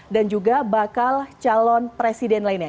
dan juga bakal calon presiden lainnya